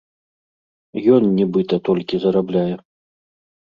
Ён нібыта толькі зарабляе.